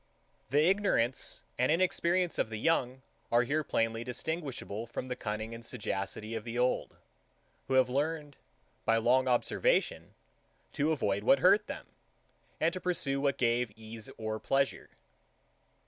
The ignorance and inexperience of the young are here plainly distinguishable from the cunning and sagacity of the old, who have learned, by long observation, to avoid what hurt them, and to pursue what gave ease or pleasure.